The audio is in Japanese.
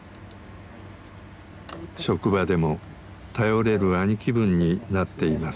職場でも頼れる兄貴分になっています。